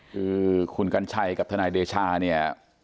คือคุณกัญชัยกับทนายเดชาเนี่ย